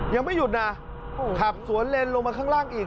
ยังไม่หยุดนะขับสวนเลนลงมาข้างล่างอีก